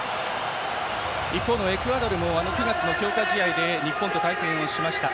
一方のエクアドルも９月の強化試合で日本と対戦しました。